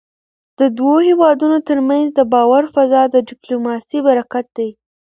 د دوو هېوادونو ترمنځ د باور فضا د ډيپلوماسی برکت دی .